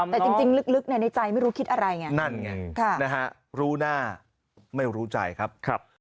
แต่จริงลึกในใจไม่รู้คิดอะไรไงนั่นไงรู้หน้าไม่รู้ใจครับ